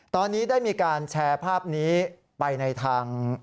ตอนนี้ได้มีการแชร์ภาพนี้ไปในทาง